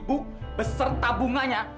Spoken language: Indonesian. oke syarat apapun